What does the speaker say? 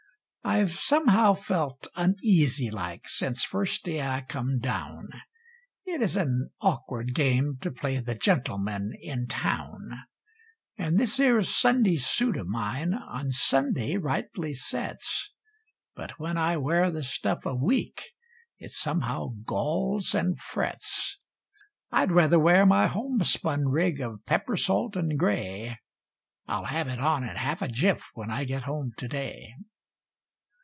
I've somehow felt uneasy like, since first day I come down; It is an awkward game to play the gentleman in town; And this 'ere Sunday suit of mine on Sunday rightly sets; But when I wear the stuff a week, it somehow galls and frets. I'd rather wear my homespun rig of pepper salt and gray I'll have it on in half a jiff, when I get home to day.